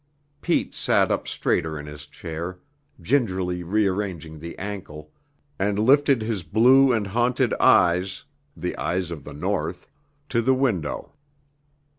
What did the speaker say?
Pete sat up straighter in his chair, gingerly rearranging the ankle, and lifted his blue and haunted eyes the eyes of the North to the window.